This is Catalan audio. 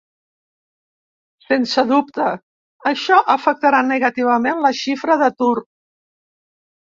Sense dubte, això afectarà negativament la xifra d’atur.